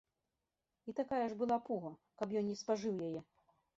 І такая ж была пуга, каб ён не спажыў яе!